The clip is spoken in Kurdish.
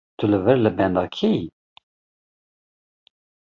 Tu li vir li benda kê yî?